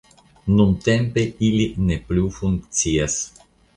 Nuntempe ili ne plu funkcias.